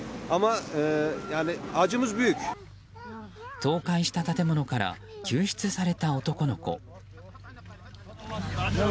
倒壊した建物から救出された男の子。